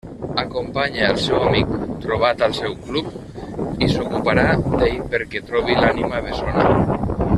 Acompanya el seu amic trobat al seu club, i s'ocuparà d'ell perquè trobi l'ànima bessona.